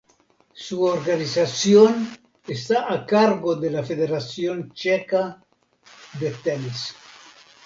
Su organización está a cargo de la Federación checa de tenis.